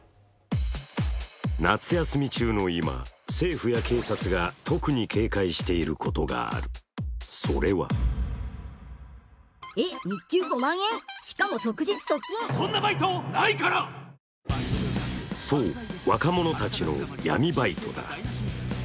夏休み中の今、政府や警察が特に警戒していることがある、それはそう、若者たちの闇バイトだ。